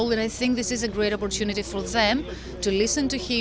dan saya pikir ini adalah kesempatan besar untuk mereka untuk mendengar dia